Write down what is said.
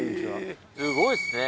すごいっすね